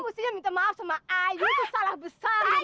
you mestinya minta maaf sama i you tuh salah besar you know